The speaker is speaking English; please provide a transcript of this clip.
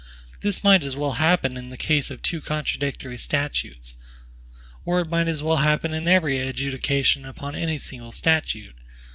This might as well happen in the case of two contradictory statutes; or it might as well happen in every adjudication upon any single statute.